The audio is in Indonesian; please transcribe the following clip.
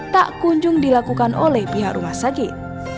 tak kunjung dilakukan oleh pihak rumah sakit